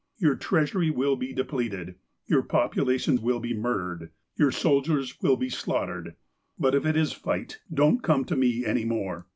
Your treasury will be depleted. Your population will be murdered. Your soldiers will be slaughtered. But if it is 'fight,' don't come to me any more.